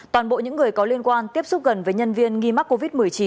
toàn bộ những người có liên quan tiếp xúc gần với nhân viên nghi mắc covid một mươi chín